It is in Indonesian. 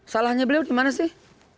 salahnya beliau di mana sih